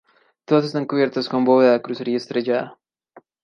Todas están cubiertas con bóveda de crucería estrellada.